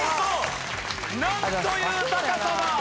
なんという高さだ！